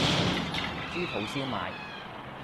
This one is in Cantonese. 豬肚燒賣